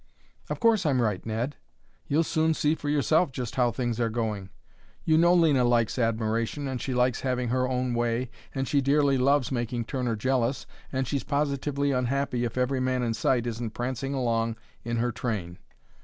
"Of course I'm right, Ned. You'll soon see for yourself just how things are going. You know Lena likes admiration and she likes having her own way and she dearly loves making Turner jealous and she's positively unhappy if every man in sight isn't prancing along in her train.